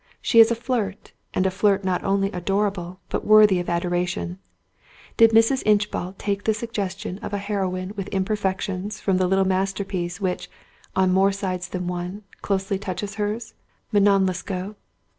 She is a flirt, and a flirt not only adorable, but worthy of adoration. Did Mrs. Inchbald take the suggestion of a heroine with imperfections from the little masterpiece which, on more sides than one, closely touches her's—Manon Lescaut?